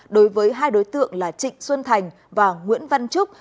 đối với hai đối tượng là trịnh xuân thành và nguyễn văn trúc